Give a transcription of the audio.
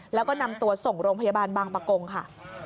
แล้วก็นำตัวส่งโรงพยาบาลบางประกงค่ะ